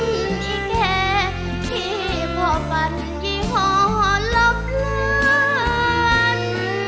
มีแค่ที่พอฝันยี่หอหลับเลือน